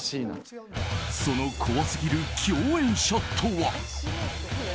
その怖すぎる共演者とは。